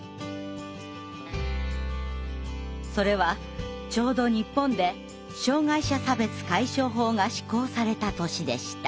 それはちょうど日本で「障害者差別解消法」が施行された年でした。